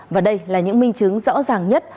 và đây là những minh chứng rõ ràng nhất